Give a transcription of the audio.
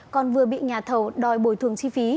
còn vừa bị nhà thầu đòi bồi thường chi phí